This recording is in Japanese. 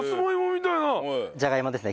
じゃがいもですね